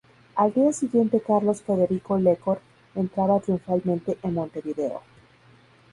Al día siguiente Carlos Federico Lecor entraba triunfalmente en Montevideo.